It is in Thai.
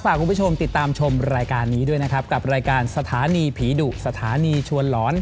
คุณผู้ชมติดตามชมรายการนี้ด้วยนะครับกับรายการสถานีผีดุสถานีชวนหลอน